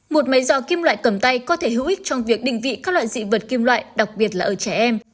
một máy dò kim loại cầm tay có thể hữu ích trong việc đình vị các loại dị vật kim loại đặc biệt là ở trẻ em